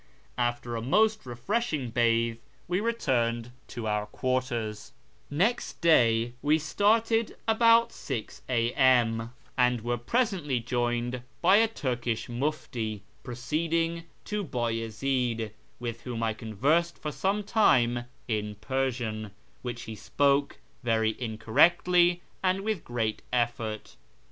After a most refresli ing bathe, we returned to our quarters. Next day we started about 6 a.m., and were presently 3S A YKAR AMONGST THE PERSIANS joined by :i 'I'mkish mufti proceeding to B;'iyczi'd, willi wliom I conversed lor some time in Persian, wliicli lie spoke very incorrectly and with great effort.